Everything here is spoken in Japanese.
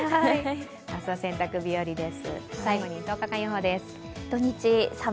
明日は洗濯日和です。